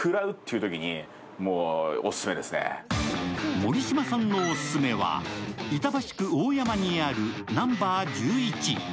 盛島さんのオススメは板橋区大山にあるＮｏ１１。